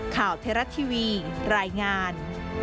ข่าวเทราะห์ทีวีรายงาน